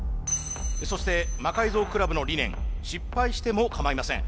そして魔改造クラブの理念失敗してもかまいません。